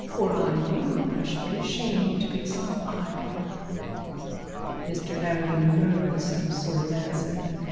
Were I you, I should be ashamed to be so idle.' Mr Arabin murmured some sort of answer.